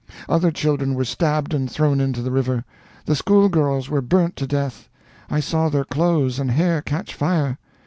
Other children were stabbed and thrown into the river. The schoolgirls were burnt to death. I saw their clothes and hair catch fire.